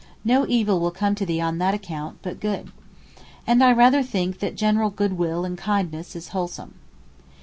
no evil will come to thee on that account but good.' And I rather think that general goodwill and kindness is wholesome.